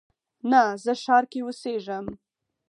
نه، زه ښار کې اوسیږم